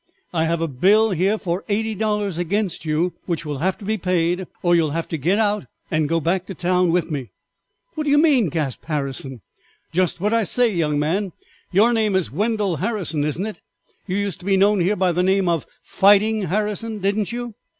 "I have a bill here for eighty dollars against you, which will have to be paid or you will have to get out and go back to town with me." "What do you mean?" gasped Harrison. "Just what I say, young man; your name is Wendell Harrison, isn't it? You used to be known here by the name of 'Fighting Harrison,' didn't you?"